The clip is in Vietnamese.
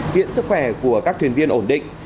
viện sức khỏe của các thuyền viên ổn định